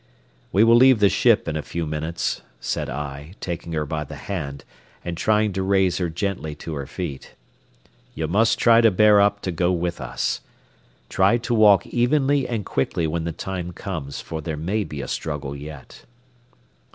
"We will leave the ship in a few minutes," said I, taking her by the hand, and trying to raise her gently to her feet. "You must try to bear up to go with us. Try to walk evenly and quickly when the time comes, for there may be a struggle yet."